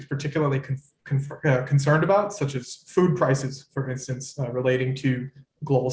seperti harga makanan misalnya berhubungan dengan masalah kualitas global